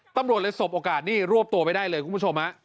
ตำรวจเลยสบโอกาสนี่รวบตัวไปได้เลยคุณผู้ชมฮะ